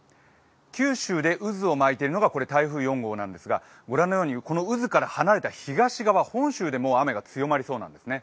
九州で渦を巻いているのが台風４号なんですが御覧のようにこの渦から離れた東側・本州でも雨が強まりそうなんですね。